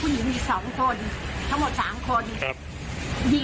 พูดถึงว่ามีผู้หญิงคนนึงผู้หญิงอีกสองคนทั้งหมดสามคน